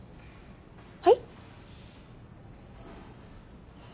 はい？